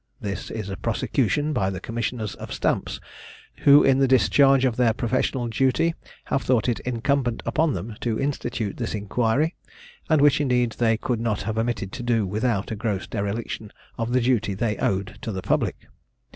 This is a prosecution by the Commissioners of Stamps, who in the discharge of their professional duty have thought it incumbent upon them to institute this inquiry, and which indeed they could not have omitted to do without a gross dereliction of the duty they owed to the public.